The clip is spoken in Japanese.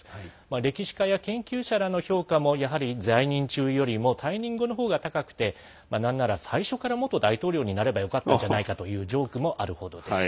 歴史家や研究者らの評価もやはり在任中よりも退任後のほうが高くて、なんなら最初から元大統領になればよかったんじゃないかというジョークもあるほどです。